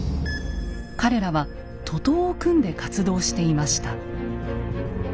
彼らは徒党を組んで活動していました。